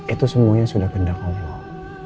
itu semuanya sudah kendang allah